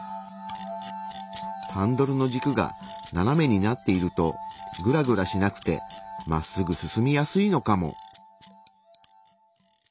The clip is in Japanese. ハンドルの軸が斜めになっているとグラグラしなくてまっすぐ進みやすいのかも。